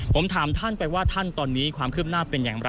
ผมถามท่านไปว่าท่านตอนนี้ความคืบหน้าเป็นอย่างไร